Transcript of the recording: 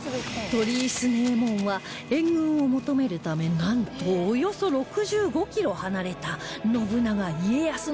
鳥居強右衛門は援軍を求めるためなんとおよそ６５キロ離れた信長・家康の元へ走りだしました